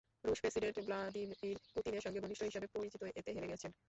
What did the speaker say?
রুশ president Vladimir পুতিনের সঙ্গে ঘনিষ্ঠ হিসেবে পরিচিত এতে হেরে গেছেন।